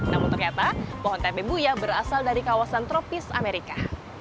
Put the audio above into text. namun ternyata pohon tabebuya berasal dari kawasan tropis amerika